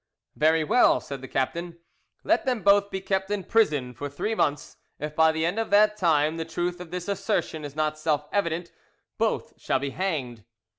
"Very well," said the captain: "let them both be kept in prison for three months; if by the end of that time the truth of this assertion is not self evident, both shall be hanged."